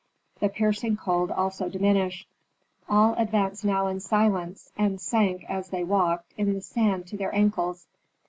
The piercing cold also diminished. All advanced now in silence, and sank, as they walked, in the sand to their ankles.